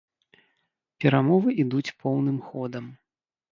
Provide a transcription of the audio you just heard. Перамовы ідуць поўным ходам.